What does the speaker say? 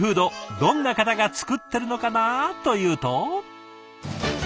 どんな方が作ってるのかなというと。